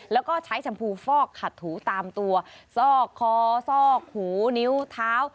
แล้วก็ใช้ชมพูฟอกขัดถูตามตัวซอกคอซอกหูนิ้วเท้า